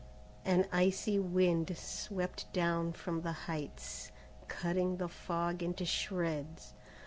An icy wind swept down from the heights, cutting the fog into shreds.